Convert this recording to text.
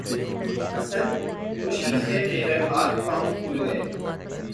اسد! خوشی سے مرے ہاتھ پاؤں پُھول گئے